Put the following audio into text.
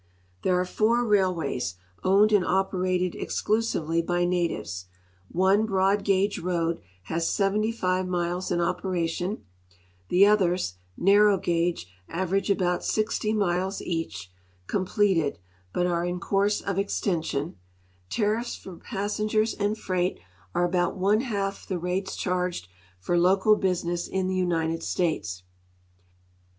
There are four railways, owned and operated exclusively by natives. One broad gauge road has 75 miles in oi^eration ; the others, narrow gauge average about 60 miles each, comideted, but are in course of extension' Tariffs for passengers and freight are about one half the rates charged for local business in the United States.